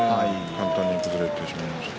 簡単に崩れてしまいました。